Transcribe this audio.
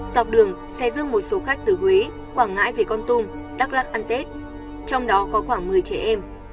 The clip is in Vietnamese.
dọc đường xe dương một số khách từ huế quảng ngãi về con tum đắk lắc ăn tết trong đó có khoảng một mươi trẻ em